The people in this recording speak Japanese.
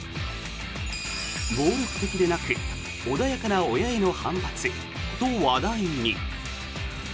暴力的でなく穏やかな親への反発と話題に。